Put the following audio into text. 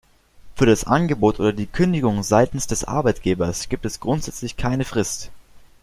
Für das Angebot oder die Kündigung seitens des Arbeitgebers gibt es grundsätzlich keine Frist.